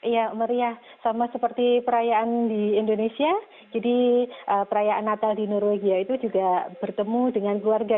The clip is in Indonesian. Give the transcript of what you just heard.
ya meriah sama seperti perayaan di indonesia jadi perayaan natal di norwegia itu juga bertemu dengan keluarga